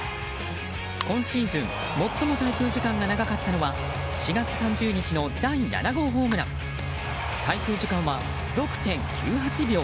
今シーズン最も滞空時間が長かったのは４月３０日の第７号ホームラン滞空時間は６．９８秒。